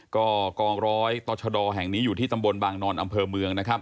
ก็กองร้อยต่อชดแห่งนี้อยู่ที่ตำบลบางนอนอำเภอเมืองนะครับ